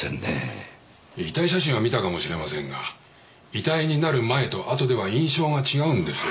遺体写真は見たかもしれませんが遺体になる前と後では印象が違うんですよ。